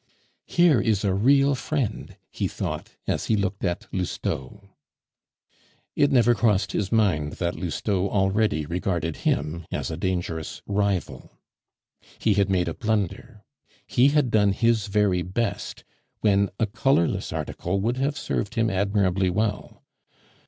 "Here is a real friend!" he thought, as he looked at Lousteau. It never crossed his mind that Lousteau already regarded him as a dangerous rival. He had made a blunder; he had done his very best when a colorless article would have served him admirably well.